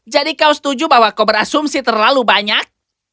jadi kau setuju bahwa kau berasumsi terlalu banyak